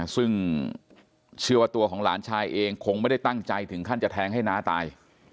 ซึ่งเชื่อว่าตัวของหลานชายเองคงไม่ได้ตั้งใจถึงขั้นจะแทงให้น้าตาย